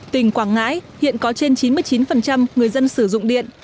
tỉnh quảng ngãi hiện có trên chín mươi chín người dân sử dụng điện